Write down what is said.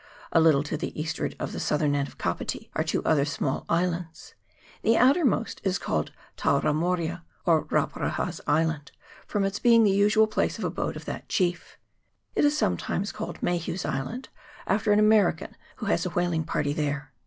A little to the eastward of the southern end of Kapiti are two other small islands : the outermost is called Tauramoria, or Rauparaha's Island, from its being the usual place of abode of CHAP, in.] EVANS'S ISLAND. 99 that chief; it is sometimes called Mayhew's Island, after an American who has a whaling party there.